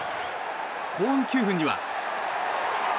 後半９分には。